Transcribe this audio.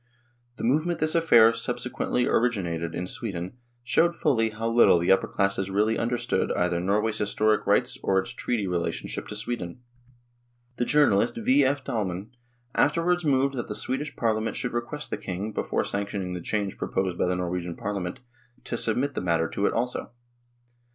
The movement this affair subsequently originated in Sweden showed fully how little the upper classes really understood either Norway's historic rights or its treaty relationship to Sweden. The journalist, 40 NORWAY AND THE UNION WITH SWEDEN V. F. Dalman, afterwards moved that the Swedish Parliament should request the King, before sanc tioning the change proposed by the Norwegian Par liament, to submit the matter to it also.